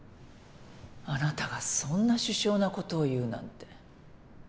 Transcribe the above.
あなたがそんな殊勝なことを言うなんて。